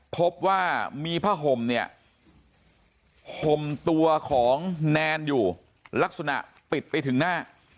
พบว่ามีผ้าห่มเนี่ยห่มตัวของแนนอยู่ลักษณะปิดไปถึงหน้า